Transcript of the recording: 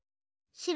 しろ。